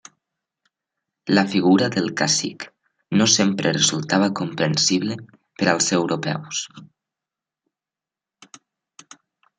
La figura del cacic no sempre resultava comprensible per als europeus.